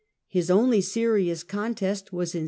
His only serious contest was in 6.